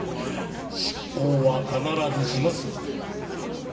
執行は必ずします。